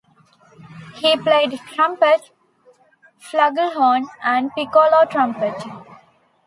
He played trumpet, flugelhorn, and piccolo trumpet.